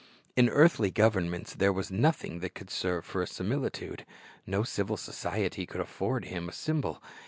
In earthly governments there was nothing that could serve for a simil itude. No civil society could afford Him a symbol.